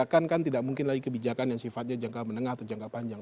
kebijakan kan tidak mungkin lagi kebijakan yang sifatnya jangka menengah atau jangka panjang